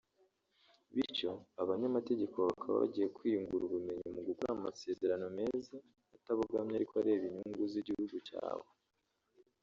bityo abanyamategeko bakaba bagiye kwiyungura ubumenyi mu gukora amasezerano meza atabogamye ariko areba inyungu z’igihugu cyawe